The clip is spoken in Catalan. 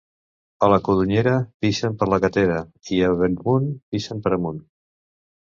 A la Codonyera pixen per la gatera i a Bellmunt pixen per amunt.